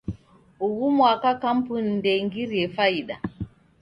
Ughu mwaka kampuni ndeingirie faida.